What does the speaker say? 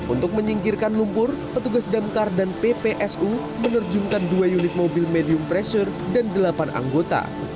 untuk menyingkirkan lumpur petugas damkar dan ppsu menerjunkan dua unit mobil medium pressure dan delapan anggota